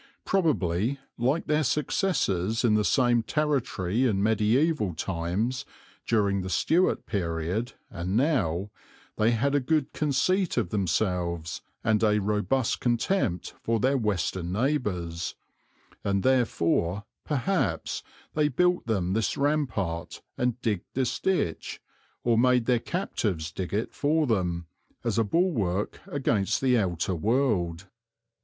Probably, like their successors in the same territory in mediæval times, during the Stuart period, and now, they had a good conceit of themselves and a robust contempt for their western neighbours, and therefore, perhaps, they built them this rampart and digged this ditch, or made their captives dig it for them, as a bulwark against the outer world.